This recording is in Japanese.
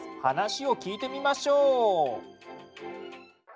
話を聞いてみましょう。